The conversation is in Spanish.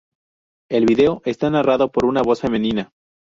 El vídeo está narrado por una voz femenina.